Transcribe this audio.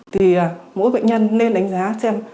thì mỗi bệnh nhân nên đánh giá xem